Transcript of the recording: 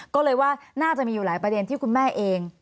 ก็เลยว่าน่าจะมีอยู่หลายประเด็นที่คุณแม่เอง